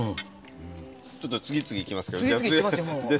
ちょっと次々いきますけど。